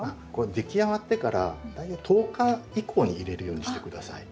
出来上がってから大体１０日以降に入れるようにして下さい。